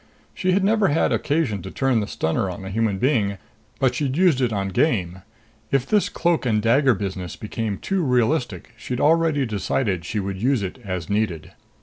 She had never had occasion to turn the stunner on a human being, but she'd used it on game. If this cloak and dagger business became too realistic, she'd already decided she would use it as needed.